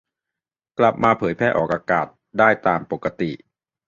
กลับมาเผยแพร่ออกอากาศได้ตามปกติ